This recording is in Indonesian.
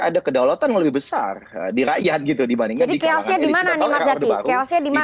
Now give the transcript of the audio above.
ada kedaulatan lebih besar diraihan gitu dibandingkan dikemasnya dimana nih masyarakat